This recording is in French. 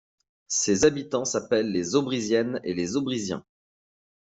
Ses habitants s'appellent les Aubrysiennes et les Aubrysiens.